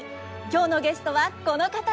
今日のゲストはこの方です。